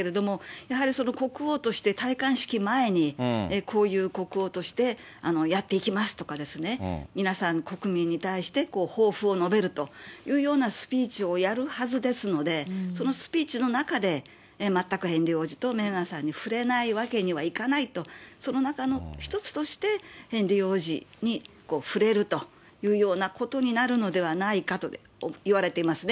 やはり国王として戴冠式前に、こういう国王として、やっていきますとかですね、皆さん、国民に対して抱負を述べるというようなスピーチをやるはずですので、そのスピーチの中で、全くヘンリー王子とメーガンさんに触れないわけにはいかないと、その中の一つとして、ヘンリー王子に触れるというようなことになるのではないかといわれていますね。